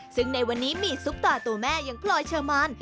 ซึ่งในวันนี้มีซุปตาตัวแม่อย่างพลอยเชอร์มัน